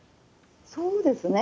そうですね。